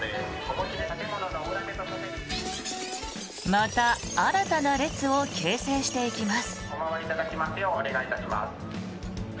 また新たな列を形成していきます。